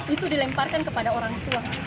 itu dilemparkan kepada orang tua